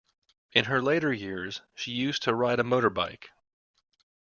In her later years she used to ride a motorbike